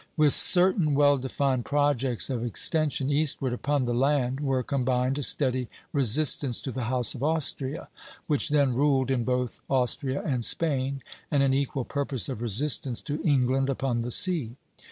With certain well defined projects of extension eastward upon the land were combined a steady resistance to the House of Austria, which then ruled in both Austria and Spain, and an equal purpose of resistance to England upon the sea.